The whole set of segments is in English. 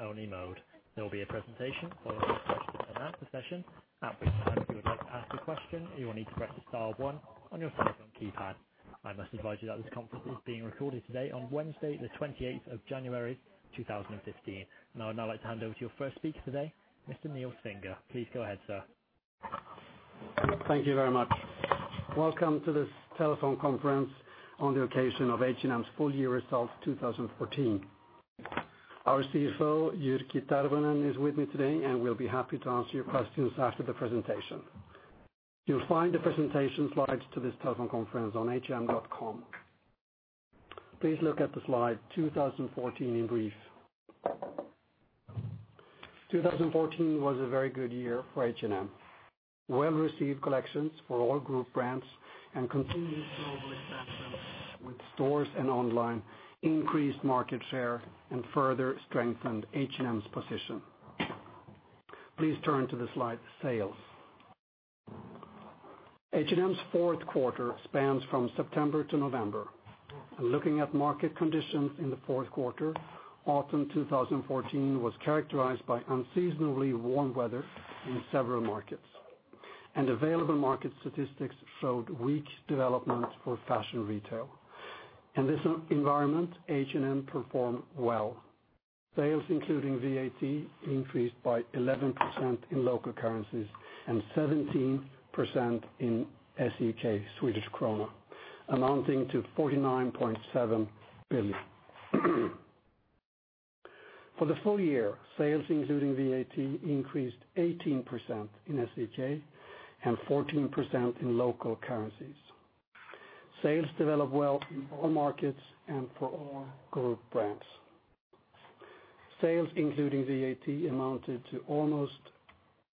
Listen only mode. There will be a presentation followed by a question and answer session. At which time, if you would like to ask a question, you will need to press the star one on your telephone keypad. I must advise you that this conference is being recorded today on Wednesday the 28th of January, 2015. I would now like to hand over to your first speaker today, Mr. Nils Vinge. Please go ahead, sir. Thank you very much. Welcome to this telephone conference on the occasion of H&M's full year results 2014. Our CFO, Jyrki Tervonen, is with me today. We'll be happy to answer your questions after the presentation. You'll find the presentation slides to this telephone conference on hm.com. Please look at the slide 2014 in brief. 2014 was a very good year for H&M. Well-received collections for all group brands and continued global expansion with stores and online increased market share and further strengthened H&M's position. Please turn to the slide, Sales. H&M's fourth quarter spans from September to November. Looking at market conditions in the fourth quarter, autumn 2014 was characterized by unseasonably warm weather in several markets. Available market statistics showed weak development for fashion retail. In this environment, H&M performed well. Sales including VAT increased by 11% in local currencies and 17% in SEK, amounting to 49.7 billion. For the full year, sales including VAT increased 18% in SEK and 14% in local currencies. Sales developed well in all markets and for all group brands. Sales including VAT amounted to almost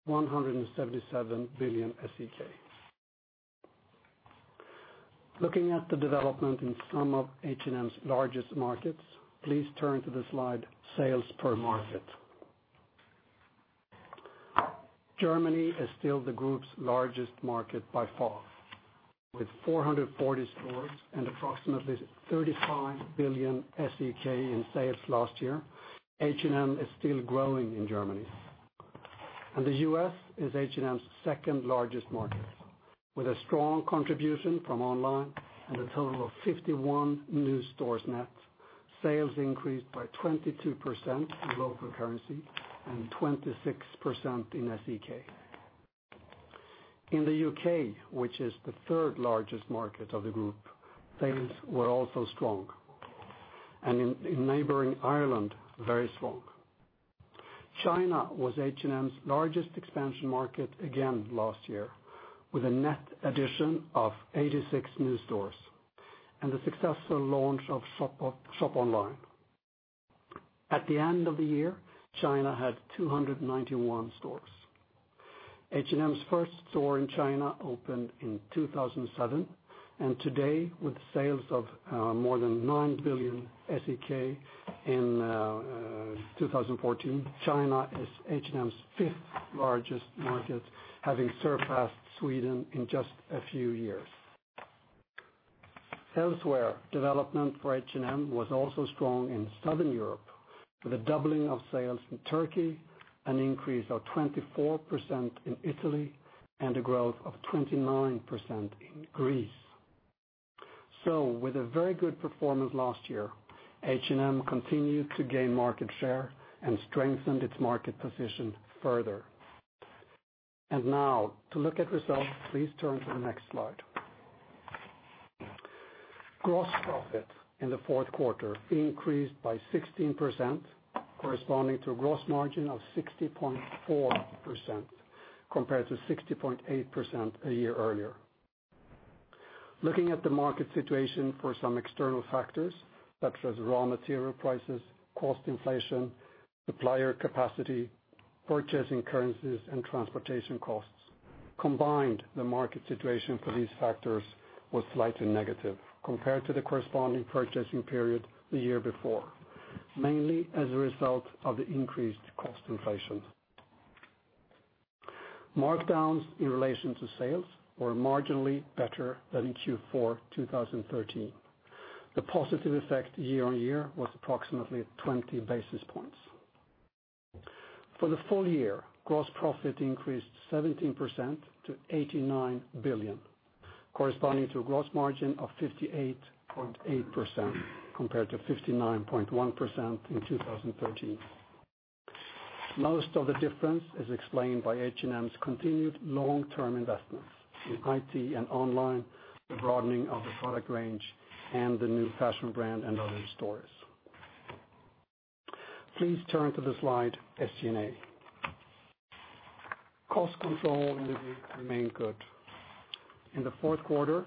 177 billion SEK. Looking at the development in some of H&M's largest markets, please turn to the slide, Sales per market. Germany is still the group's largest market by far. With 440 stores and approximately 35 billion SEK in sales last year, H&M is still growing in Germany. The U.S. is H&M's second largest market. With a strong contribution from online and a total of 51 new stores net, sales increased by 22% in local currency and 26% in SEK. In the U.K., which is the third largest market of the group, sales were also strong and in neighboring Ireland, very strong. China was H&M's largest expansion market again last year, with a net addition of 86 new stores and the successful launch of shop online. At the end of the year, China had 291 stores. H&M's first store in China opened in 2007. Today, with sales of more than 9 billion SEK in 2014, China is H&M's fifth largest market, having surpassed Sweden in just a few years. Elsewhere, development for H&M was also strong in Southern Europe, with a doubling of sales in Turkey, an increase of 24% in Italy, and a growth of 29% in Greece. With a very good performance last year, H&M continued to gain market share and strengthened its market position further. To look at results, please turn to the next slide. Gross profit in the fourth quarter increased by 16%, corresponding to a gross margin of 60.4% compared to 60.8% a year earlier. Looking at the market situation for some external factors such as raw material prices, cost inflation, supplier capacity, purchasing currencies, and transportation costs. Combined, the market situation for these factors was slightly negative compared to the corresponding purchasing period the year before, mainly as a result of the increased cost inflation. Markdowns in relation to sales were marginally better than in Q4 2013. The positive effect year-over-year was approximately 20 basis points. For the full year, gross profit increased 17% to 89 billion, corresponding to a gross margin of 58.8% compared to 59.1% in 2013. Most of the difference is explained by H&M's continued long-term investments in IT and online, the broadening of the product range, and the new fashion brand & Other Stories. Please turn to the slide, SG&A. Cost control in the group remained good. In the fourth quarter,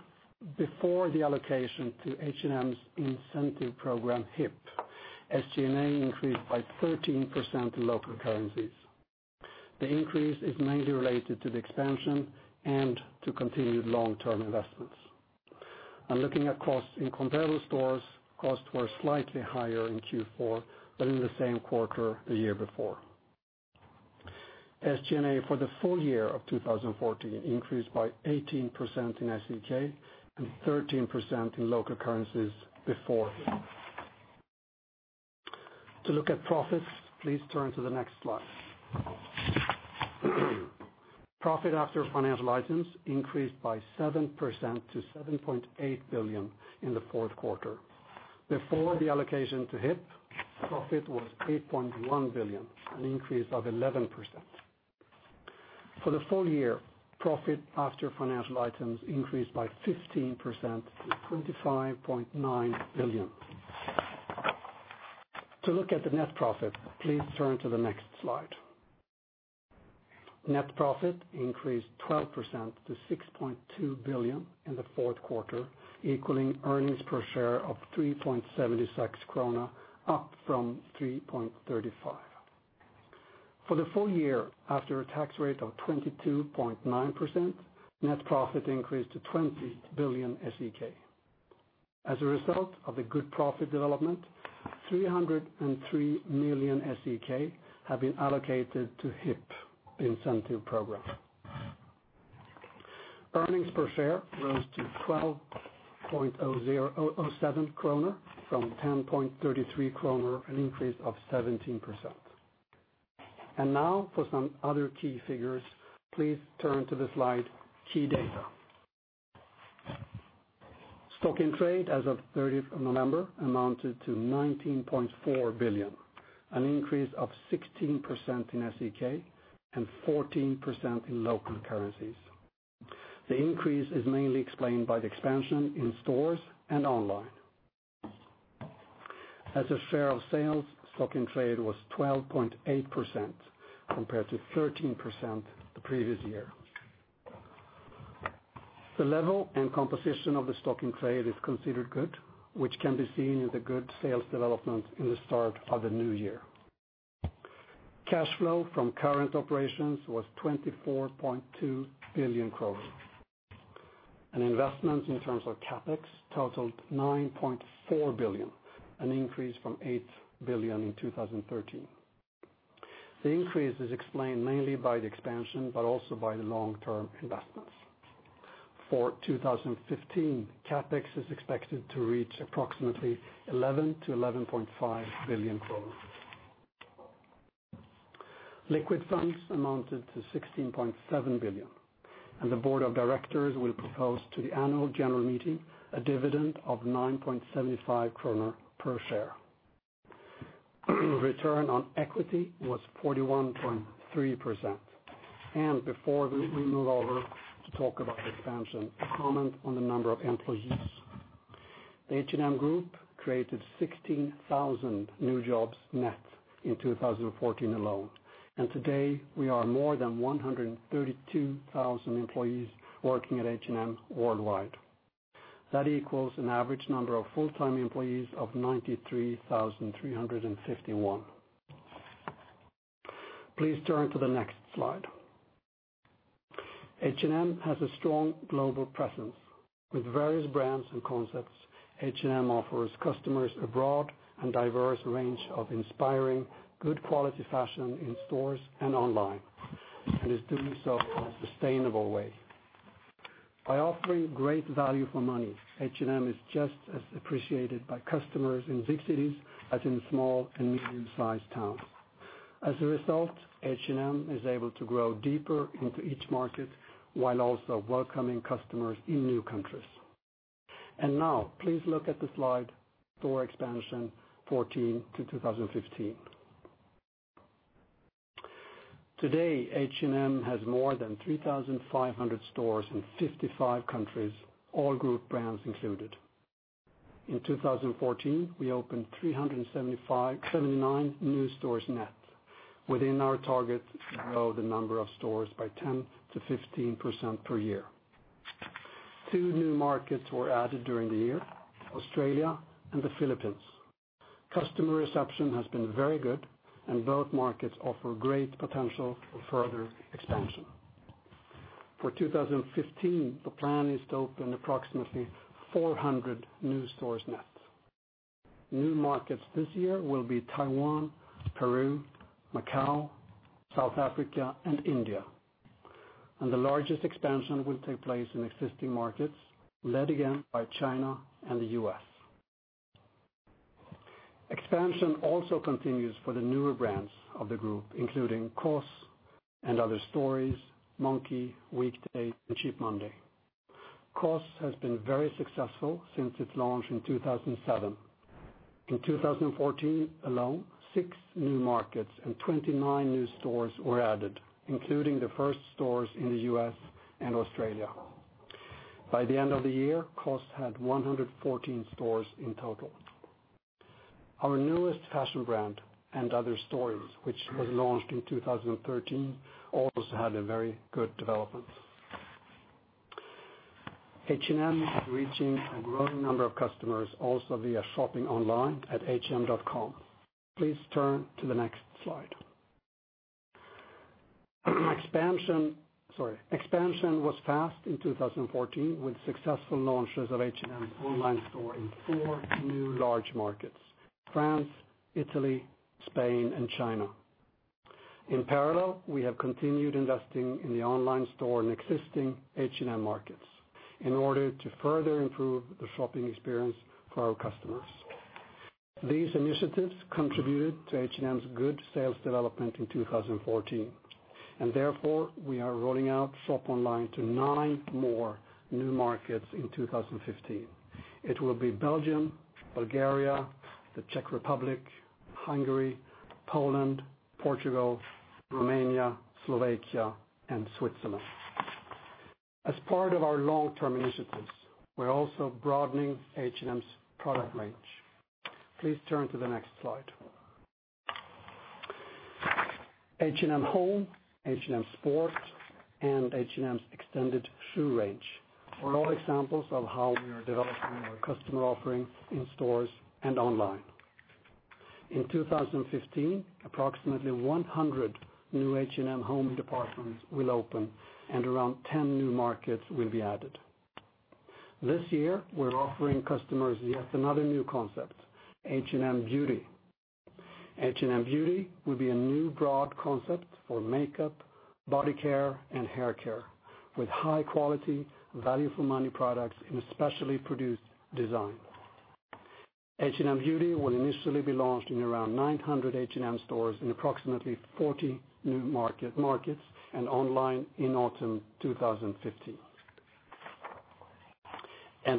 before the allocation to H&M's incentive program, HIP, SG&A increased by 13% in local currencies. The increase is mainly related to the expansion and to continued long-term investments. Looking at costs in comparable stores, costs were slightly higher in Q4 than in the same quarter the year before. SG&A for the full year of 2014 increased by 18% in SEK and 13% in local currencies before. To look at profits, please turn to the next slide. Profit after financial items increased by 7% to 7.8 billion in the fourth quarter. Before the allocation to HIP, profit was 8.1 billion, an increase of 11%. For the full year, profit after financial items increased by 15% to 25.9 billion. To look at the net profit, please turn to the next slide. Net profit increased 12% to 6.2 billion in the fourth quarter, equaling earnings per share of 3.76 krona, up from 3.35. For the full year, after a tax rate of 22.9%, net profit increased to 20 billion SEK. As a result of the good profit development, 303 million SEK have been allocated to HIP, the incentive program. Earnings per share rose to 12.07 kronor from 10.33 kronor, an increase of 17%. For some other key figures, please turn to the slide, key data. Stock in trade as of 30th November amounted to 19.4 billion, an increase of 16% in SEK and 14% in local currencies. The increase is mainly explained by the expansion in stores and online. As a share of sales, stock in trade was 12.8% compared to 13% the previous year. The level and composition of the stock in trade is considered good, which can be seen in the good sales development in the start of the new year. Cash flow from current operations was 24.2 billion, and investments in terms of CapEx totaled 9.4 billion, an increase from 8 billion in 2013. The increase is explained mainly by the expansion, but also by the long-term investments. For 2015, CapEx is expected to reach approximately 11 billion-11.5 billion. Liquid funds amounted to 16.7 billion, and the board of directors will propose to the annual general meeting a dividend of 9.75 kronor per share. Return on equity was 41.3%. Before we move over to talk about expansion, a comment on the number of employees. The H&M Group created 16,000 new jobs net in 2014 alone. Today, we are more than 132,000 employees working at H&M worldwide. That equals an average number of full-time employees of 93,351. Please turn to the next slide. H&M has a strong global presence. With various brands and concepts, H&M offers customers a broad and diverse range of inspiring, good quality fashion in stores and online, and is doing so in a sustainable way. By offering great value for money, H&M is just as appreciated by customers in big cities as in small and medium-sized towns. As a result, H&M is able to grow deeper into each market while also welcoming customers in new countries. Now, please look at the slide, store expansion 2014 to 2015. Today, H&M has more than 3,500 stores in 55 countries, all group brands included. In 2014, we opened 379 new stores net within our target to grow the number of stores by 10%-15% per year. Two new markets were added during the year: Australia and the Philippines. Customer reception has been very good. Both markets offer great potential for further expansion. For 2015, the plan is to open approximately 400 new stores net. New markets this year will be Taiwan, Peru, Macau, South Africa, and India. The largest expansion will take place in existing markets, led again by China and the U.S. Expansion also continues for the newer brands of the group, including COS, & Other Stories, Monki, Weekday, and Cheap Monday. COS has been very successful since its launch in 2007. In 2014 alone, six new markets and 29 new stores were added, including the first stores in the U.S. and Australia. By the end of the year, COS had 114 stores in total. Our newest fashion brand, & Other Stories, which was launched in 2013, also had a very good development. H&M is reaching a growing number of customers also via shopping online at hm.com. Please turn to the next slide. Expansion was fast in 2014 with successful launches of H&M online store in four new large markets: France, Italy, Spain, and China. In parallel, we have continued investing in the online store in existing H&M markets in order to further improve the shopping experience for our customers. These initiatives contributed to H&M's good sales development in 2014. Therefore, we are rolling out shop online to nine more new markets in 2015. It will be Belgium, Bulgaria, the Czech Republic, Hungary, Poland, Portugal, Romania, Slovakia, and Switzerland. As part of our long-term initiatives, we're also broadening H&M's product range. Please turn to the next slide. H&M HOME, H&M Sport, and H&M's extended shoe range are all examples of how we are developing our customer offering in stores and online. In 2015, approximately 100 new H&M HOME departments will open. Around 10 new markets will be added. This year, we're offering customers yet another new concept, H&M Beauty. H&M Beauty will be a new broad concept for makeup, body care, and hair care, with high-quality, value-for-money products in a specially produced design. H&M Beauty will initially be launched in around 900 H&M stores in approximately 40 new markets and online in autumn 2015.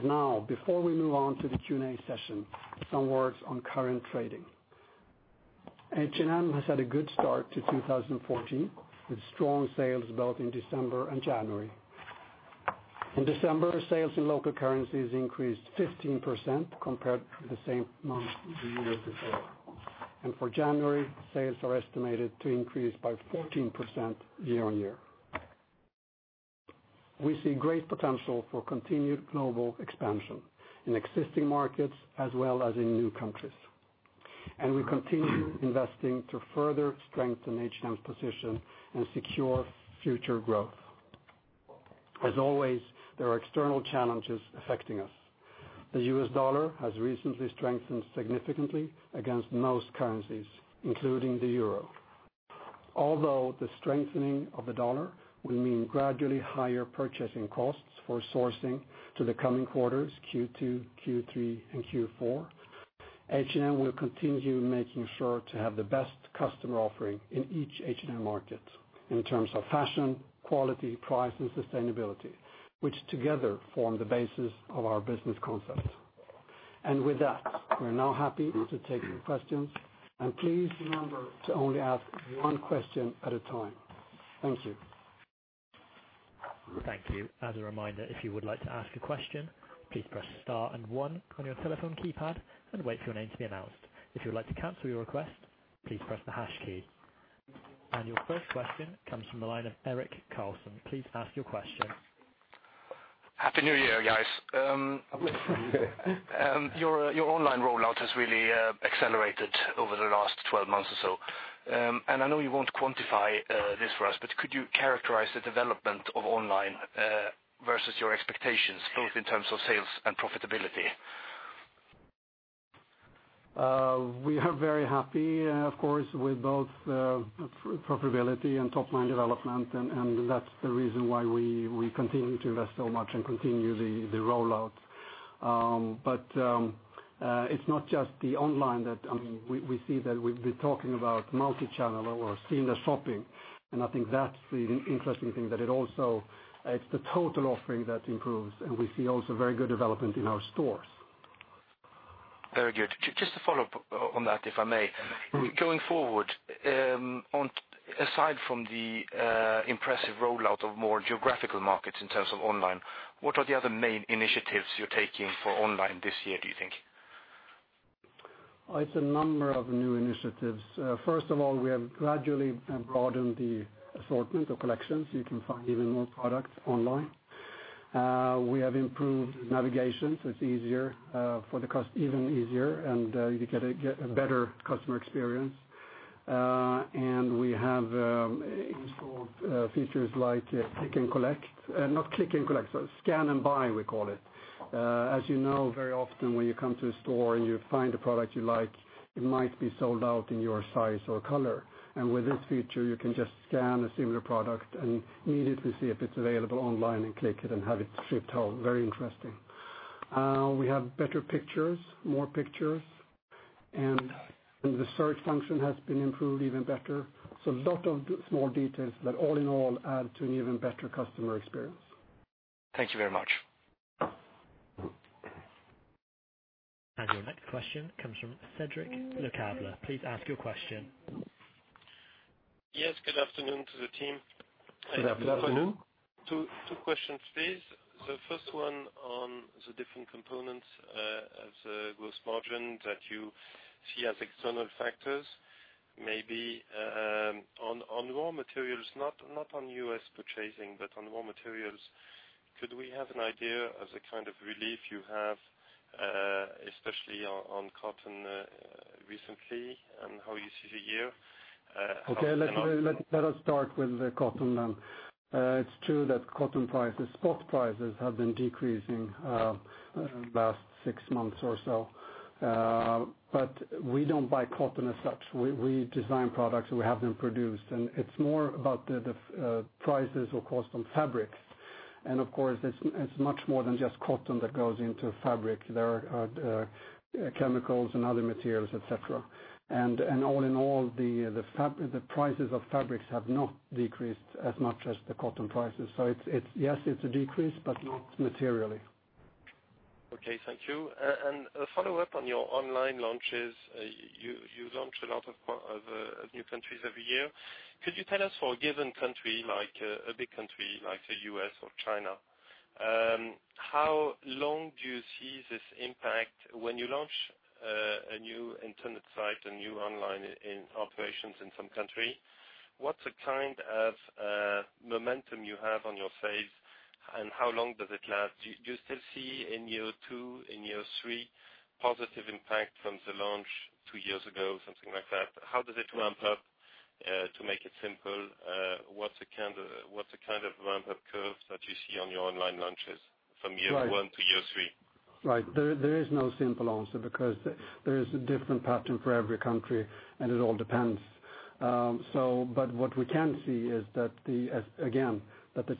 Now, before we move on to the Q&A session, some words on current trading. H&M has had a good start to 2014, with strong sales both in December and January. In December, sales in local currencies increased 15% compared to the same month the year before. For January, sales are estimated to increase by 14% year-on-year. We see great potential for continued global expansion in existing markets as well as in new countries. We continue investing to further strengthen H&M's position and secure future growth. As always, there are external challenges affecting us. The US dollar has recently strengthened significantly against most currencies, including the euro. Although the strengthening of the dollar will mean gradually higher purchasing costs for sourcing to the coming quarters, Q2, Q3, and Q4, H&M will continue making sure to have the best customer offering in each H&M market in terms of fashion, quality, price, and sustainability, which together form the basis of our business concept. With that, we're now happy to take your questions. Please remember to only ask one question at a time. Thank you. Thank you. As a reminder, if you would like to ask a question, please press star and one on your telephone keypad and wait for your name to be announced. If you would like to cancel your request, please press the hash key. Your first question comes from the line of Adam Karlsson. Please ask your question. Happy New Year, guys. Happy to you. Your online rollout has really accelerated over the last 12 months or so. I know you won't quantify this for us, could you characterize the development of online versus your expectations, both in terms of sales and profitability? We are very happy, of course, with both profitability and top-line development, that's the reason why we continue to invest so much and continue the rollout. It's not just the online that we see that we've been talking about multi-channel or seamless shopping, I think that's the interesting thing, that it also it's the total offering that improves, we see also very good development in our stores. Very good. Just to follow up on that, if I may. Going forward, aside from the impressive rollout of more geographical markets in terms of online, what are the other main initiatives you're taking for online this year, do you think? It's a number of new initiatives. First of all, we have gradually broadened the assortment of collections. You can find even more products online. We have improved navigation, so it's even easier, and you get a better customer experience. We have installed features like click and collect. Not click and collect, sorry. Scan and buy we call it. As you know, very often when you come to a store and you find a product you like, it might be sold out in your size or color. With this feature, you can just scan a similar product and immediately see if it's available online and click it and have it shipped home. Very interesting. We have better pictures, more pictures, and the search function has been improved even better. A lot of small details that all in all add to an even better customer experience. Thank you very much. Your next question comes from Cédric Lecasble. Please ask your question. Yes, good afternoon to the team. Good afternoon. Two questions, please. The first one on the different components of the gross margin that you see as external factors. Maybe on raw materials, not on U.S. purchasing but on raw materials, could we have an idea of the kind of relief you have, especially on cotton recently, and how you see the year? Let us start with the cotton then. It's true that cotton prices, spot prices, have been decreasing in the last six months or so. We don't buy cotton as such. We design products, and we have them produced, and it's more about the prices or cost on fabric. Of course, it's much more than just cotton that goes into fabric. There are chemicals and other materials, et cetera. All in all, the prices of fabrics have not decreased as much as the cotton prices. Yes, it's a decrease, but not materially. Okay, thank you. A follow-up on your online launches. You launch a lot of new countries every year. Could you tell us for a given country, a big country, like the U.S. or China, how long do you see this impact when you launch a new internet site, a new online operations in some country? What's the kind of momentum you have on your phase, and how long does it last? Do you still see in year two, in year three, positive impact from the launch two years ago, something like that? How does it ramp up, to make it simple, what's the kind of ramp-up curve that you see on your online launches from year one to year three? Right. There is no simple answer because there is a different pattern for every country, and it all depends. What we can see is that the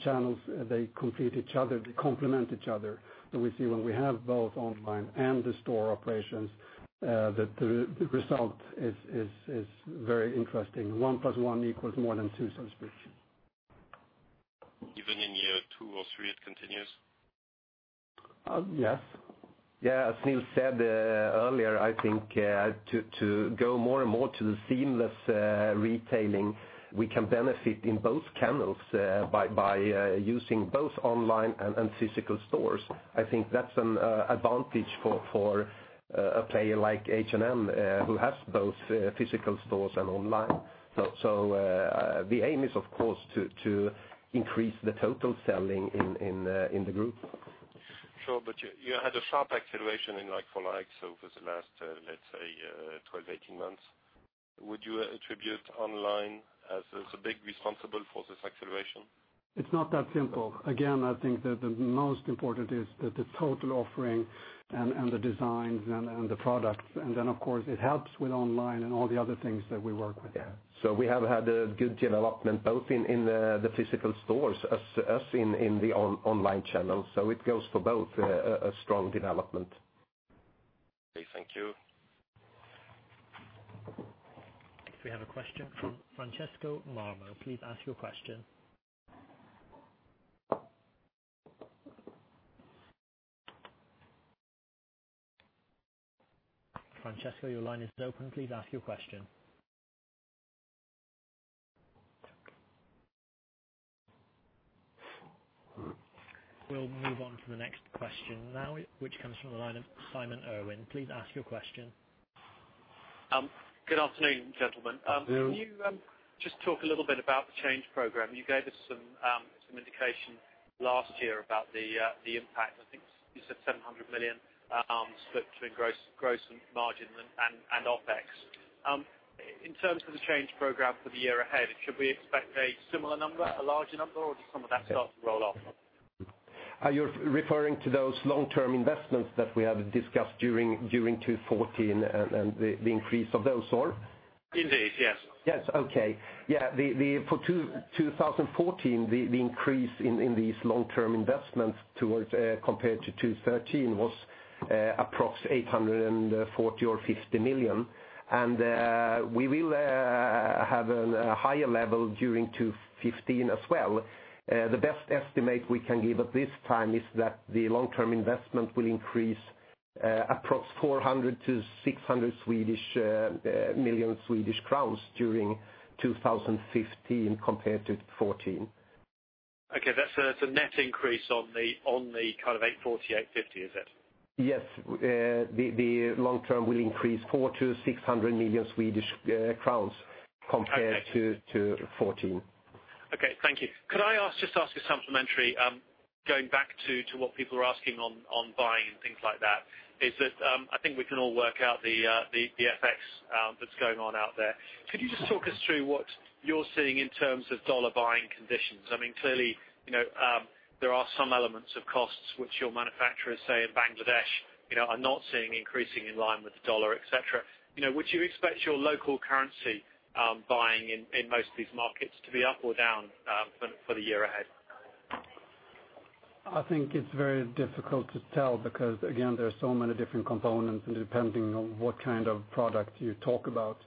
channels, they complete each other, they complement each other. We see when we have both online and the store operations, that the result is very interesting. One plus one equals more than two so to speak. Even in year two or three, it continues? Yes. Yeah. As Nils said earlier, I think to go more and more to the seamless retailing, we can benefit in both channels by using both online and physical stores. I think that's an advantage for a player like H&M who has both physical stores and online. The aim is, of course, to increase the total selling in the group. You had a sharp acceleration in like-for-like. For the last, let's say, 12, 18 months, would you attribute online as the big responsible for this acceleration? It's not that simple. Again, I think that the most important is the total offering and the designs and the products, and then of course it helps with online and all the other things that we work with. Yeah. We have had a good development both in the physical stores as in the online channel. It goes for both, a strong development. Okay, thank you. We have a question from Francesco Marmo. Please ask your question. Francesco, your line is open. Please ask your question. We will move on to the next question now, which comes from the line of Simon Irwin. Please ask your question. Good afternoon, gentlemen. Hello. Can you just talk a little bit about the change program? You gave us some indication last year about the impact. I think you said 700 million split between gross margin and OpEx. In terms of the change program for the year ahead, should we expect a similar number, a larger number, or does some of that start to roll off? Are you referring to those long-term investments that we have discussed during 2014 and the increase of those or? Indeed. Yes. Yes. Okay. Yeah. For 2014, the increase in these long-term investments compared to 2013 was approx 840 million or 850 million, and we will have a higher level during 2015 as well. The best estimate we can give at this time is that the long-term investment will increase approx SEK 400 million-SEK 600 million during 2015 compared to 2014. Okay. That's a net increase on the kind of 840 million, 850 million, is it? Yes. The long-term will increase 400 million-600 million Swedish crowns compared to 2014. Okay, thank you. Could I just ask a supplementary, going back to what people are asking on buying and things like that, I think we can all work out the FX that's going on out there. Could you just talk us through what you're seeing in terms of dollar buying conditions? Clearly, there are some elements of costs which your manufacturers say in Bangladesh are not seeing increasing in line with the dollar, et cetera. Would you expect your local currency buying in most of these markets to be up or down for the year ahead? I think it's very difficult to tell because, again, there are so many different components and depending on what kind of product you talk about.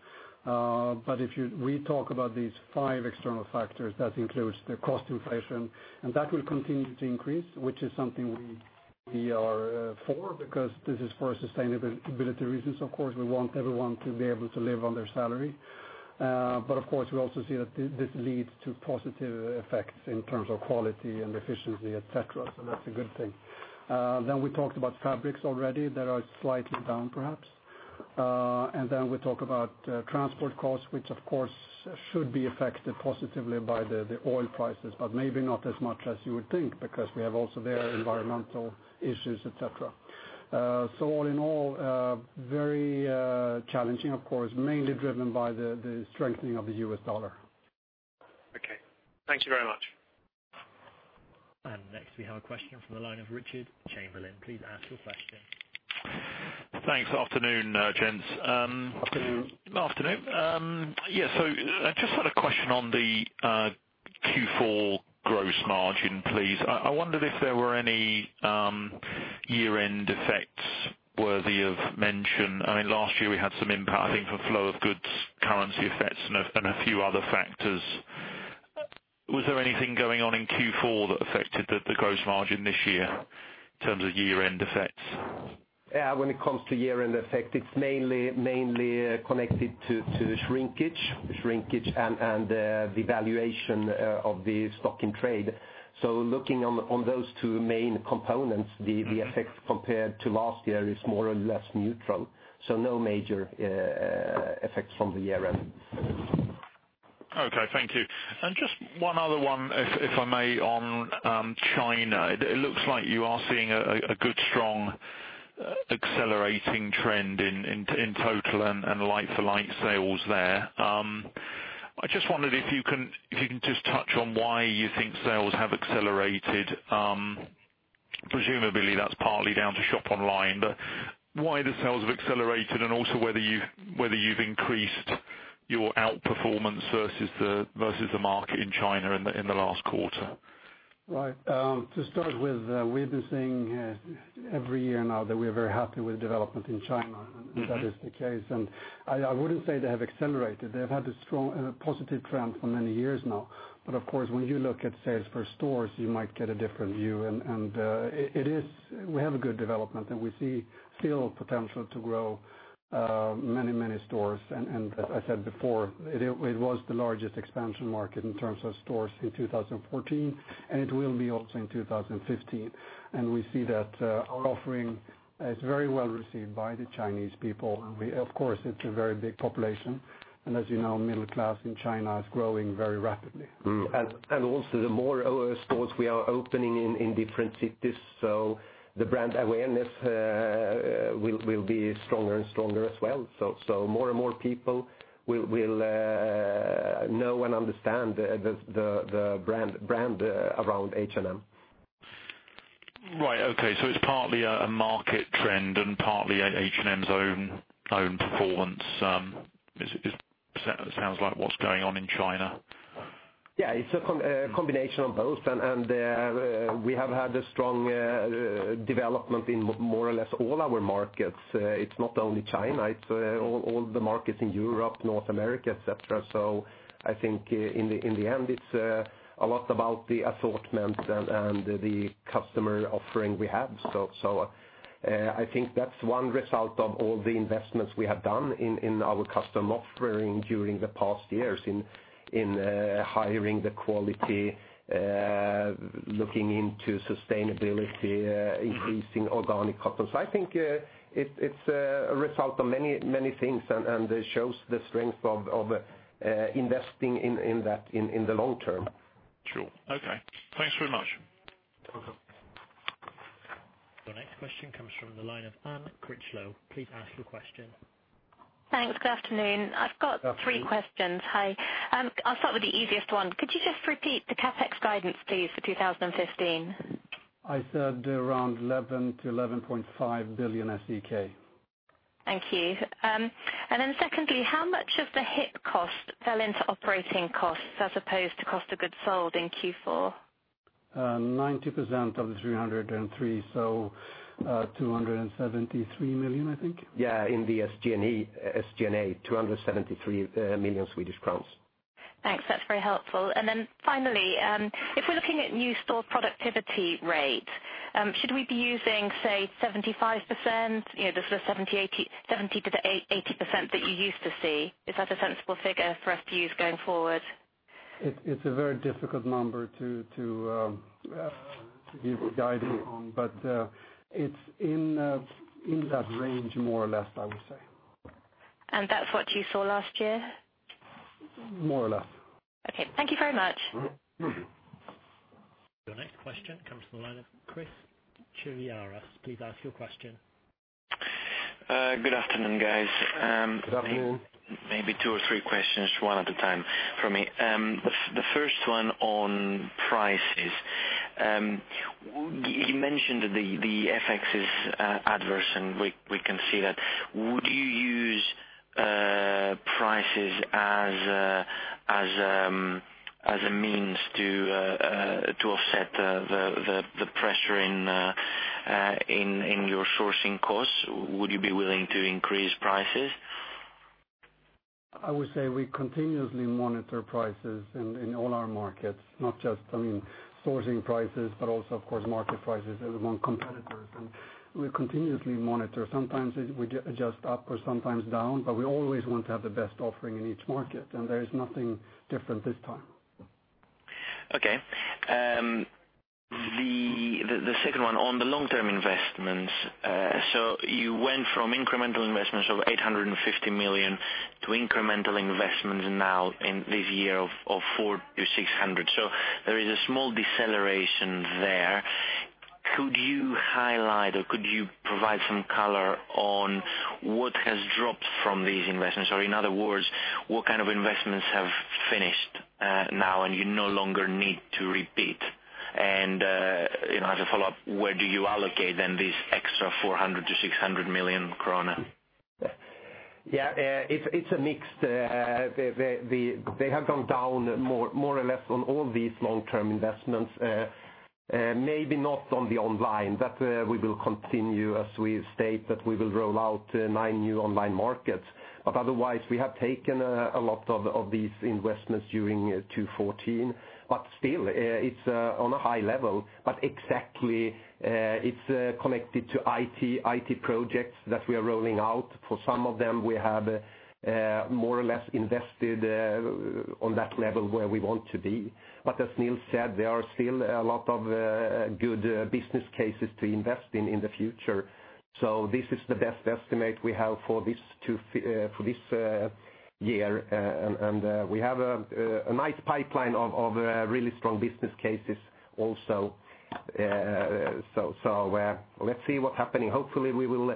If we talk about these five external factors, that includes the cost inflation, and that will continue to increase, which is something we are for, because this is for sustainability reasons, of course, we want everyone to be able to live on their salary. Of course, we also see that this leads to positive effects in terms of quality and efficiency, et cetera. That's a good thing. We talked about fabrics already that are slightly down, perhaps. We talk about transport costs, which of course should be affected positively by the oil prices, but maybe not as much as you would think because we have also there environmental issues, et cetera. All in all, very challenging, of course, mainly driven by the strengthening of the US dollar. Okay. Thank you very much. Next, we have a question from the line of Richard Chamberlain. Please ask your question. Thanks. Afternoon, gents. Afternoon. Afternoon. Yeah, I just had a question on the Q4 gross margin, please. I wondered if there were any year-end effects worthy of mention. Last year, we had some impact, I think, from flow of goods, currency effects, and a few other factors. Was there anything going on in Q4 that affected the gross margin this year in terms of year-end effects? Yeah. When it comes to year-end effect, it's mainly connected to shrinkage and the valuation of the stock in trade. Looking on those two main components, the effect compared to last year is more or less neutral. No major effects from the year-end. Okay, thank you. Just one other one, if I may, on China. It looks like you are seeing a good, strong accelerating trend in total and like-for-like sales there. I just wondered if you can just touch on why you think sales have accelerated. Presumably, that's partly down to shop online, why the sales have accelerated and also whether you've increased your outperformance versus the market in China in the last quarter. Right. To start with, we've been seeing every year now that we are very happy with development in China, that is the case. I wouldn't say they have accelerated. They've had a positive trend for many years now. Of course, when you look at sales for stores, you might get a different view. We have a good development, and we see still potential to grow many stores. As I said before, it was the largest expansion market in terms of stores in 2014, and it will be also in 2015. We see that our offering is very well received by the Chinese people. Of course, it's a very big population. As you know, middle class in China is growing very rapidly. The more stores we are opening in different cities, the brand awareness will be stronger and stronger as well. More and more people will know and understand the brand around H&M. Right. Okay, it's partly a market trend and partly H&M's own performance. It sounds like what's going on in China. It's a combination of both. We have had a strong development in more or less all our markets. It's not only China, it's all the markets in Europe, North America, et cetera. I think in the end, it's a lot about the assortment and the customer offering we have. I think that's one result of all the investments we have done in our customer offering during the past years in hiring the quality, looking into sustainability, increasing organic cotton. It shows the strength of investing in that in the long term. Sure. Okay. Thanks very much. Welcome. The next question comes from the line of Anne Critchlow. Please ask your question. Thanks. Good afternoon. Afternoon. I've got three questions. Hi. I'll start with the easiest one. Could you just repeat the CapEx guidance, please, for 2015? I said around 11 billion-11.5 billion SEK. Thank you. Secondly, how much of the hit cost fell into operating costs as opposed to cost of goods sold in Q4? 90% of the 303, 273 million, I think. Yeah, in the SG&A, 273 million Swedish crowns. Thanks. That's very helpful. Finally, if we're looking at new store productivity rate, should we be using, say, 75%? The sort of 70%-80% that you used to see. Is that a sensible figure for us to use going forward? It's a very difficult number to give guidance on. It's in that range more or less, I would say. That's what you saw last year? More or less. Okay. Thank you very much. The next question comes from the line of Chris Chiarra. Please ask your question. Good afternoon, guys. Good afternoon. Maybe two or three questions, one at a time from me. The first one on prices. You mentioned the FX is adverse, and we can see that. Would you use prices as a means to offset the pressure in your sourcing costs? Would you be willing to increase prices? I would say we continuously monitor prices in all our markets, not just, I mean, sourcing prices, but also, of course, market prices among competitors. We continuously monitor. Sometimes we adjust up or sometimes down, but we always want to have the best offering in each market, and there is nothing different this time. Okay. The second one on the long-term investments. You went from incremental investments of 850 million to incremental investments now in this year of 400 million-600 million. There is a small deceleration there. Could you highlight or could you provide some color on what has dropped from these investments, or in other words, what kind of investments have finished now and you no longer need to repeat? As a follow-up, where do you allocate, then, this extra 400 million-600 million krona? Yeah. It's a mix. They have gone down more or less on all these long-term investments. Maybe not on the online. That, we will continue, as we've stated, that we will roll out nine new online markets. Otherwise, we have taken a lot of these investments during 2014. Still, it's on a high level. Exactly, it's connected to IT projects that we are rolling out. For some of them, we have more or less invested on that level where we want to be. As Nils said, there are still a lot of good business cases to invest in in the future. This is the best estimate we have for this year, and we have a nice pipeline of really strong business cases also. Let's see what's happening. Hopefully, we will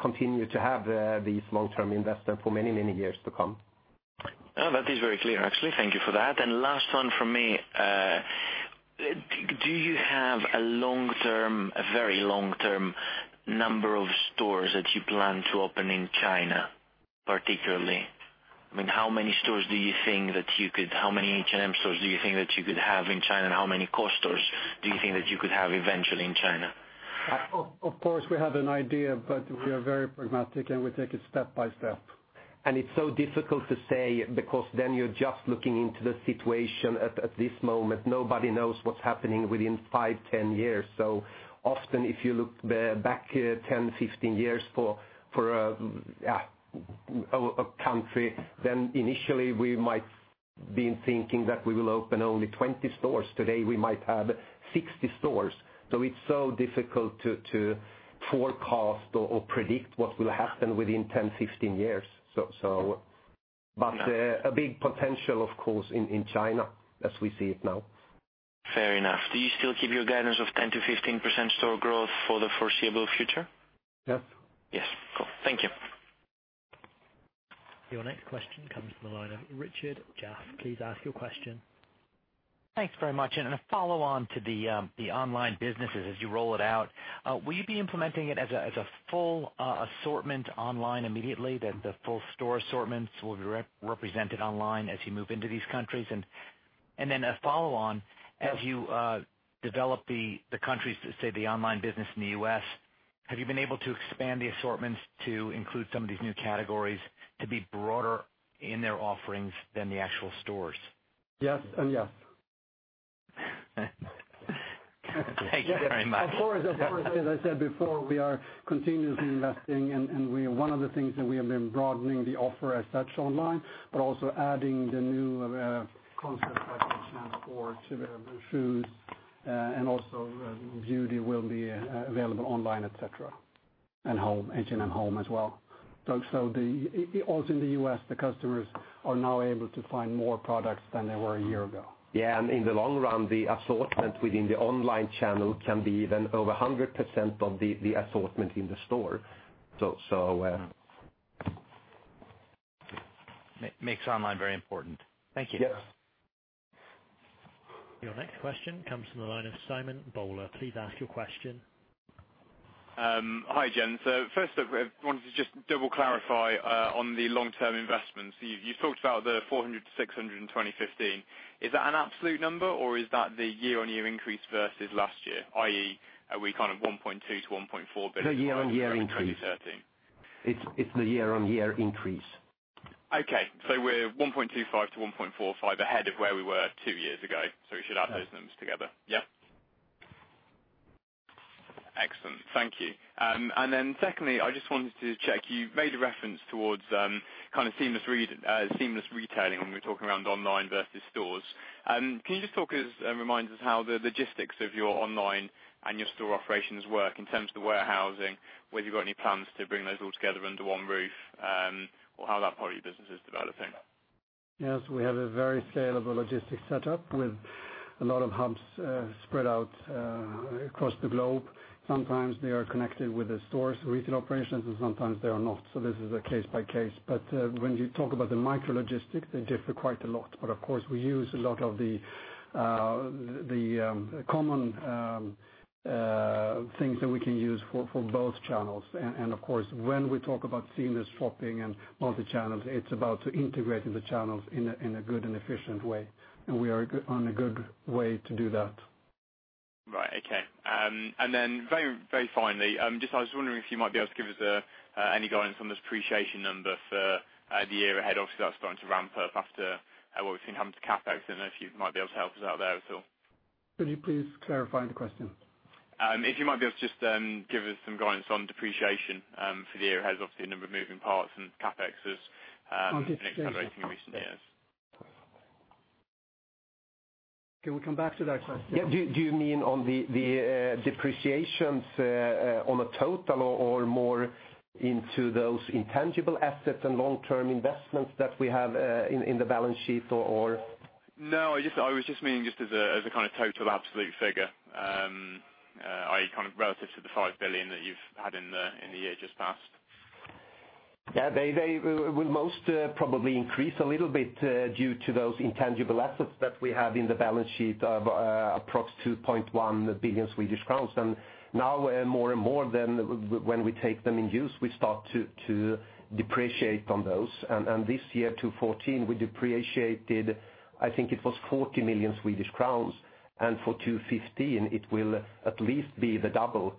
continue to have these long-term investments for many, many years to come. Oh, that is very clear, actually. Thank you for that. Last one from me. Do you have a very long-term number of stores that you plan to open in China, particularly? How many H&M stores do you think that you could have in China, and how many COS stores do you think that you could have eventually in China? Of course, we have an idea, but we are very pragmatic, and we take it step by step. It's so difficult to say because then you're just looking into the situation at this moment. Nobody knows what's happening within five, 10 years. Often, if you look back 10, 15 years for a country, then initially we might have been thinking that we will open only 20 stores. Today, we might have 60 stores. It's so difficult to forecast or predict what will happen within 10, 15 years. A big potential, of course, in China, as we see it now. Fair enough. Do you still keep your guidance of 10%-15% store growth for the foreseeable future? Yep. Yes. Cool. Thank you. Your next question comes from the line of Richard Jaffe. Please ask your question. Thanks very much. A follow-on to the online businesses as you roll it out, will you be implementing it as a full assortment online immediately, that the full store assortments will be represented online as you move into these countries? A follow-on, as you develop the countries, say, the online business in the U.S., have you been able to expand the assortments to include some of these new categories to be broader in their offerings than the actual stores? Yes and yes. Thank you very much. Of course, as I said before, we are continuously investing, one of the things that we have been broadening the offer as such online, but also adding the new concepts like H&M Sport, and also Beauty will be available online, et cetera, and H&M HOME as well. Also in the U.S., the customers are now able to find more products than they were a year ago. Yeah, in the long run, the assortment within the online channel can be even over 100% of the assortment in the store. Makes online very important. Thank you. Yes. Your next question comes from the line of Simon Bowler. Please ask your question. Hi, gents. First up, I wanted to just double-clarify on the long-term investments. You talked about the 400-600 in 2015. Is that an absolute number, or is that the year-on-year increase versus last year, i.e., are we kind of 1.2 billion-1.4 billion from 2013? The year-on-year increase. It's the year-on-year increase. Okay. We're 1.25-1.45 ahead of where we were two years ago. We should add those numbers together. Yeah. Excellent. Thank you. Secondly, I just wanted to check, you made a reference towards seamless retailing when we were talking around online versus stores. Can you just talk, as a reminder, how the logistics of your online and your store operations work in terms of the warehousing, whether you've got any plans to bring those all together under one roof, or how that part of your business is developing? Yes, we have a very scalable logistics setup with a lot of hubs spread out across the globe. Sometimes they are connected with the stores, retail operations, and sometimes they are not. This is a case by case. When you talk about the micro logistics, they differ quite a lot. Of course, we use a lot of the common things that we can use for both channels. Of course, when we talk about seamless shopping and multi-channels, it's about integrating the channels in a good and efficient way, and we are on a good way to do that. Right. Okay. Very finally, I was wondering if you might be able to give us any guidance on this depreciation number for the year ahead. Obviously, that's going to ramp up after what we've seen happen to CapEx. I don't know if you might be able to help us out there at all. Could you please clarify the question? If you might be able to just give us some guidance on depreciation for the year ahead. Obviously, a number of moving parts and CapEx has been accelerating in recent years. Can we come back to that question? Do you mean on the depreciations on a total or more into those intangible assets and long-term investments that we have in the balance sheet, or? No, I was just meaning just as a kind of total absolute figure, i.e., kind of relative to the 5 billion that you've had in the year just passed. Yeah. They will most probably increase a little bit due to those intangible assets that we have in the balance sheet of approx 2.1 billion Swedish crowns. Now more and more than when we take them in use, we start to depreciate on those. This year, 2014, we depreciated, I think it was 40 million Swedish crowns, and for 2015 it will at least be the double,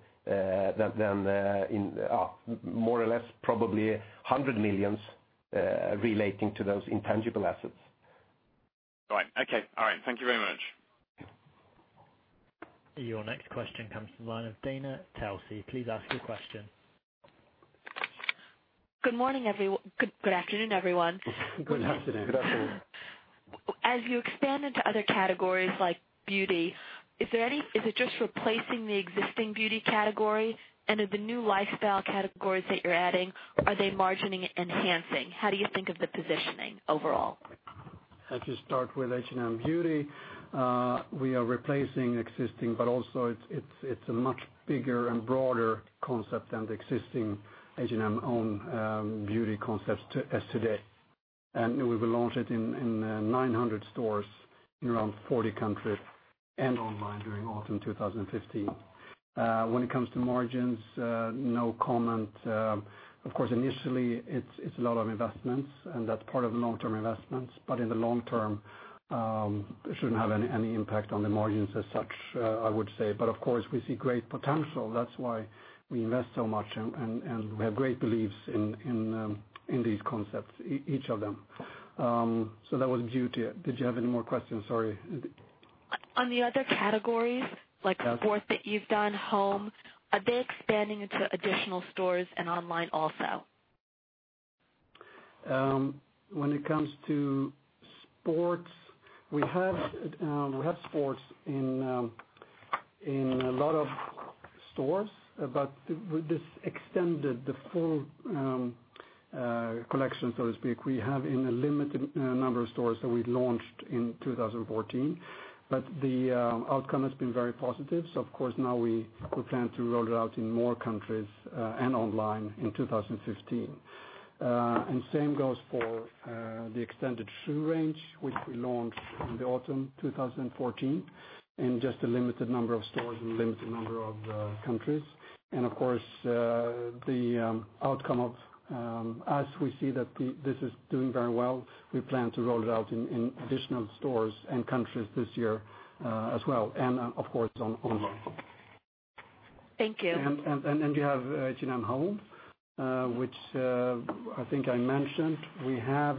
more or less, probably 100 million, relating to those intangible assets. Right. Okay. All right. Thank you very much. Your next question comes from the line of Dana Telsey. Please ask your question. Good morning, good afternoon, everyone. Good afternoon. Good afternoon. As you expand into other categories like beauty, is it just replacing the existing beauty category? Do the new lifestyle categories that you're adding, are they margin enhancing? How do you think of the positioning overall? I just start with H&M Beauty. We are replacing existing, but also it's a much bigger and broader concept than the existing H&M own beauty concepts as today. We will launch it in 900 stores in around 40 countries and online during autumn 2015. When it comes to margins, no comment. Of course, initially, it's a lot of investments and that's part of the long-term investments, but in the long term, it shouldn't have any impact on the margins as such, I would say. Of course, we see great potential, that's why we invest so much and we have great beliefs in these concepts, each of them. That was beauty. Did you have any more questions? Sorry. On the other categories, like sport that you've done, home, are they expanding into additional stores and online also? When it comes to sports, we have sports in a lot of stores, but this extended, the full collection, so to speak, we have in a limited number of stores that we launched in 2014. The outcome has been very positive, of course, now we plan to roll it out in more countries, and online in 2015. Same goes for the extended shoe range, which we launched in the autumn 2014, in just a limited number of stores and limited number of countries. Of course, the outcome of, as we see that this is doing very well, we plan to roll it out in additional stores and countries this year as well. Of course, on online. Thank you. You have H&M HOME, which I think I mentioned. We have,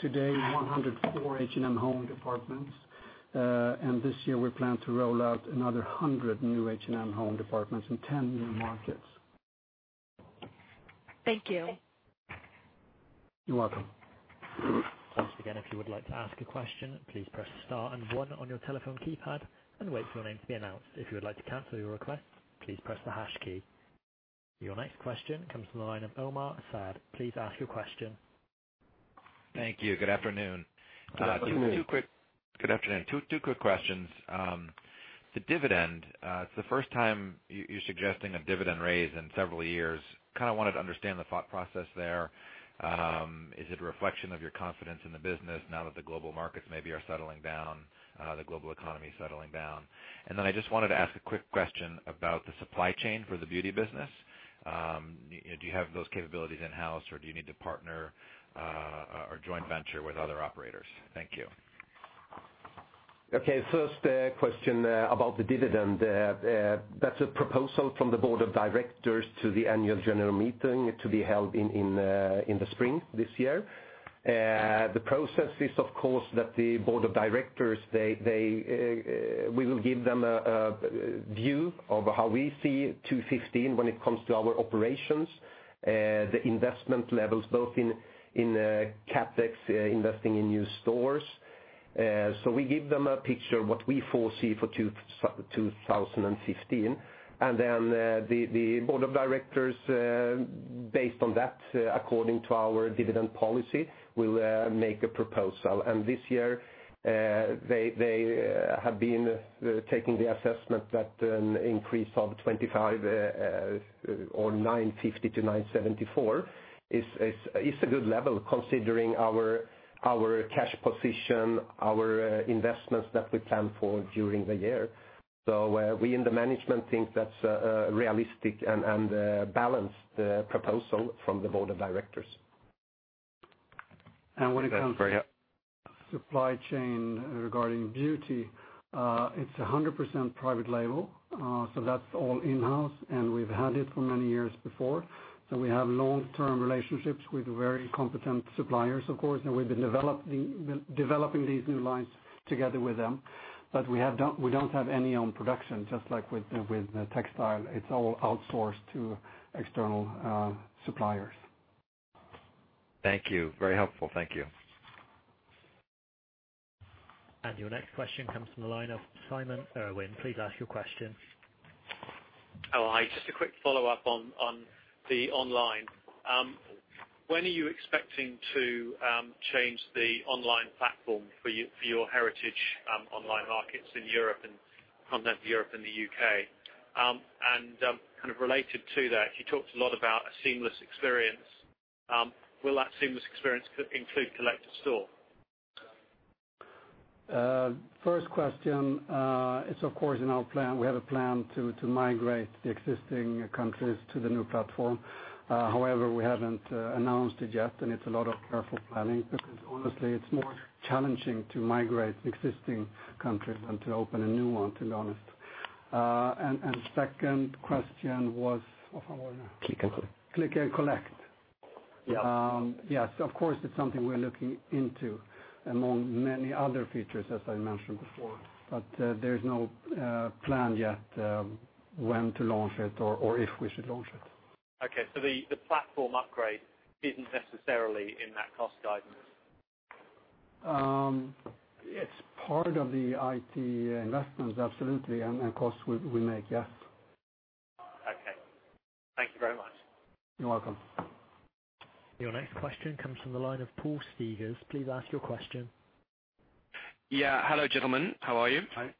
today, 104 H&M HOME departments. This year we plan to roll out another 100 new H&M HOME departments in 10 new markets. Thank you. You're welcome. Once again, if you would like to ask a question, please press star and one on your telephone keypad, and wait for your name to be announced. If you would like to cancel your request, please press the hash key. Your next question comes from the line of Omar Saad. Please ask your question. Thank you. Good afternoon. Good afternoon. Two quick questions. The dividend, it's the first time you're suggesting a dividend raise in several years. Kind of wanted to understand the thought process there. Is it a reflection of your confidence in the business now that the global markets maybe are settling down, the global economy is settling down? I just wanted to ask a quick question about the supply chain for the beauty business. Do you have those capabilities in-house, or do you need to partner or joint venture with other operators? Thank you. Okay. First question about the dividend. That's a proposal from the board of directors to the annual general meeting to be held in the spring this year. The process is, of course, that the board of directors, we will give them a view of how we see 2015 when it comes to our operations, the investment levels, both in CapEx, investing in new stores. We give them a picture of what we foresee for 2015. The board of directors, based on that, according to our dividend policy, will make a proposal. This year, they have been taking the assessment that an increase of 25 million or 950 million-974 million is a good level considering our cash position, our investments that we plan for during the year. We in the management think that's a realistic and a balanced proposal from the board of directors. That's very help When it comes to supply chain regarding H&M Beauty, it's 100% private label. That's all in-house, and we've had it for many years before. We have long-term relationships with very competent suppliers, of course, and we've been developing these new lines together with them. We don't have any own production, just like with the textile, it's all outsourced to external suppliers. Thank you. Very helpful. Thank you. Your next question comes from the line of Simon Irwin. Please ask your question. Hi. Just a quick follow-up on the online. When are you expecting to change the online platform for your heritage online markets in continental Europe and the U.K.? Related to that, you talked a lot about a seamless experience. Will that seamless experience include click and collect? First question, it's of course in our plan. We have a plan to migrate the existing countries to the new platform. However, we haven't announced it yet, and it's a lot of careful planning because honestly, it's more challenging to migrate existing countries than to open a new one, to be honest. Second question was What was it? Click and collect. Click and collect. Yeah. Yes. Of course, it's something we're looking into, among many other features, as I mentioned before. There's no plan yet when to launch it or if we should launch it. Okay. The platform upgrade isn't necessarily in that cost guidance. It's part of the IT investments, absolutely. Costs we make, yes. Okay. Thank you very much. You're welcome. Your next question comes from the line of Paul Stegers. Please ask your question. Yeah. Hello, gentlemen. How are you? Hi.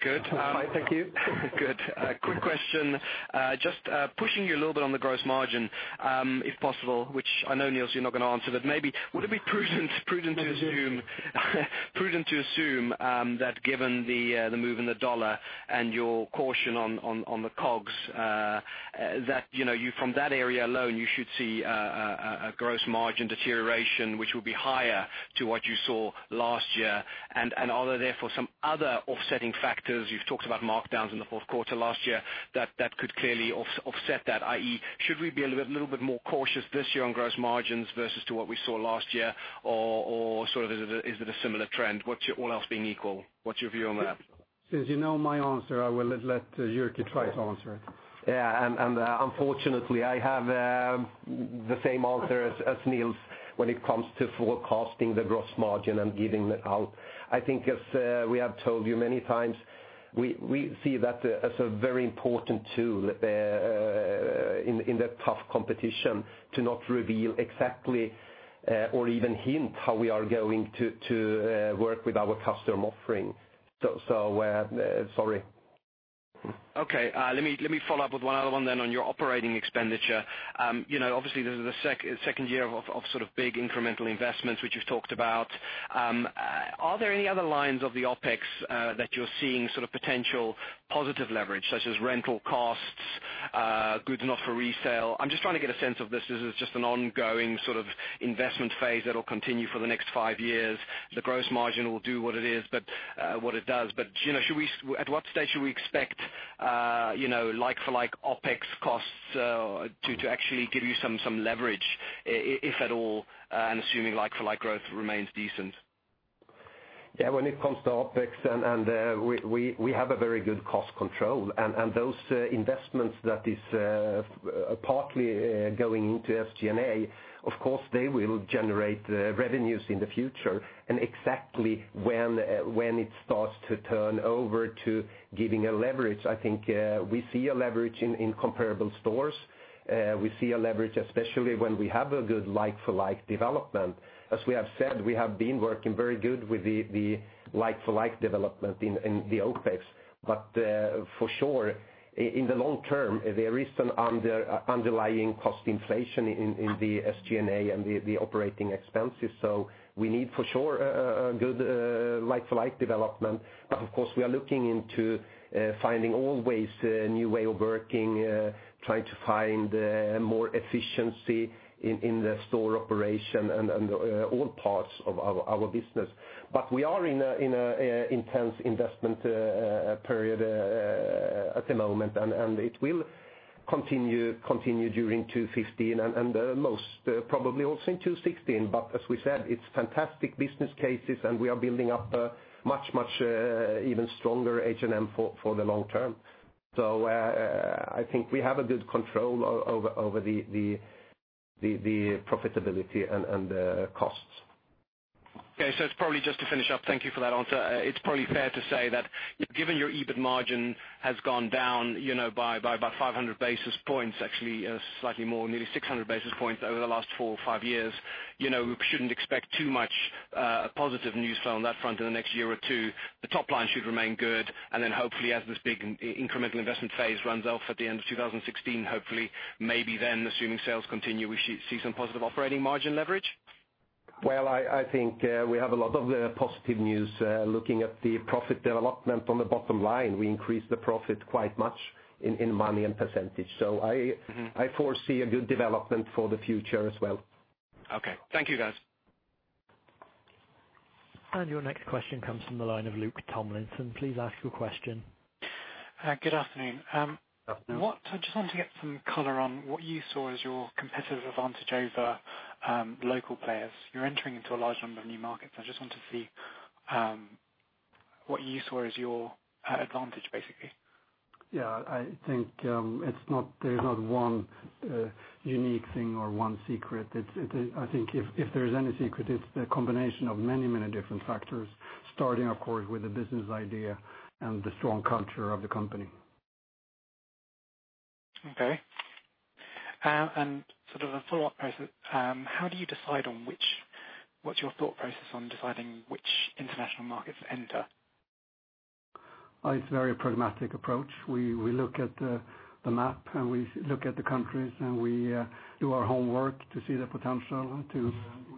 Good. I'm fine, thank you. Good. Quick question. Just pushing you a little bit on the gross margin, if possible, which I know, Nils, you're not going to answer, but maybe would it be prudent to assume that given the move in the dollar and your caution on the COGS, that from that area alone, you should see a gross margin deterioration, which will be higher to what you saw last year? Are there therefore some other offsetting factors, you've talked about markdowns in the fourth quarter last year, that could clearly offset that, i.e., should we be a little bit more cautious this year on gross margins versus to what we saw last year? Is it a similar trend? All else being equal, what's your view on that? Since you know my answer, I will let Jyrki try to answer it. Yeah. Unfortunately, I have the same answer as Nils when it comes to forecasting the gross margin and giving it out. I think as we have told you many times, we see that as a very important tool in the tough competition to not reveal exactly or even hint how we are going to work with our customer offering. Sorry. Okay. Let me follow up with one other one on your operating expenditure. Obviously, this is the second year of big incremental investments, which you've talked about. Are there any other lines of the OpEx that you're seeing potential positive leverage, such as rental costs, good enough for resale? I'm just trying to get a sense of this. Is this just an ongoing investment phase that will continue for the next five years? The gross margin will do what it does, but at what stage should we expect like-for-like OpEx costs to actually give you some leverage, if at all, and assuming like-for-like growth remains decent? Yeah, when it comes to OpEx, we have a very good cost control. Those investments that is partly going into SG&A, of course, they will generate revenues in the future. Exactly when it starts to turn over to giving a leverage, I think we see a leverage in comparable stores. We see a leverage, especially when we have a good like-for-like development. As we have said, we have been working very good with the like-for-like development in the OpEx. For sure, in the long term, there is an underlying cost inflation in the SG&A and the operating expenses. We need, for sure, a good like-for-like development. Of course, we are looking into finding always a new way of working, trying to find more efficiency in the store operation and all parts of our business. We are in an intense investment period at the moment, and it will continue during 2015 and most probably also in 2016. As we said, it's fantastic business cases, and we are building up a much even stronger H&M for the long term. I think we have a good control over the profitability and the costs. Okay. Just to finish up, thank you for that answer. It's probably fair to say that given your EBIT margin has gone down by about 500 basis points, actually slightly more, nearly 600 basis points over the last four or five years. We shouldn't expect too much positive news flow on that front in the next year or two. The top line should remain good, then hopefully, as this big incremental investment phase runs off at the end of 2016, hopefully, maybe then, assuming sales continue, we should see some positive operating margin leverage? Well, I think we have a lot of positive news looking at the profit development on the bottom line. We increased the profit quite much in money and percentage. I foresee a good development for the future as well. Okay. Thank you, guys. Your next question comes from the line of Luke Tomlinson. Please ask your question. Good afternoon. Afternoon. I just want to get some color on what you saw as your competitive advantage over local players. You're entering into a large number of new markets. I just want to see what you saw as your advantage, basically. Yeah, I think there's not one unique thing or one secret. I think if there's any secret, it's the combination of many different factors, starting, of course, with the business idea and the strong culture of the company. Okay. Sort of a follow-up process. What's your thought process on deciding which international markets to enter? It's a very pragmatic approach. We look at the map, and we look at the countries, and we do our homework to see the potential.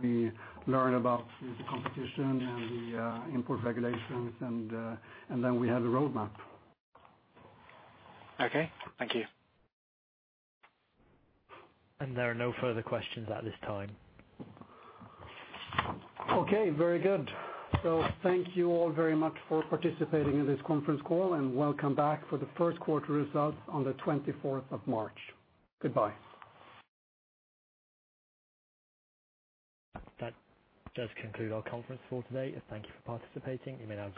We learn about the competition and the import regulations, and then we have a roadmap. Okay. Thank you. There are no further questions at this time. Okay, very good. Thank you all very much for participating in this conference call, and welcome back for the first quarter results on the 24th of March. Goodbye. That does conclude our conference call today. Thank you for participating. You may now disconnect.